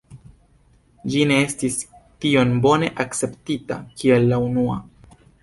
Ĝi ne estis tiom bone akceptita kiel la unua.